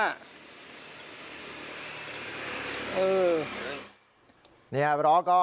เออก็เปลี่ยน